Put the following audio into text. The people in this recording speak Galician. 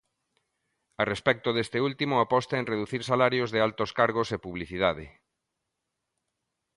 A respecto deste último aposta en reducir salarios de altos cargos e publicidade.